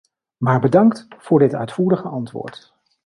Maar bedankt voor dit uitvoerige antwoord.